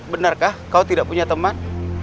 benarkah kau tidak punya teman